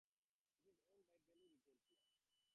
It is owned by Value Retail plc.